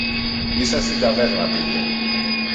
Ίσα στην ταβέρνα πήγε.